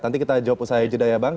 nanti kita jawab usai jeda ya bang